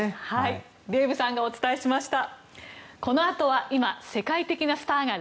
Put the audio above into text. デーブさんがお伝えしました。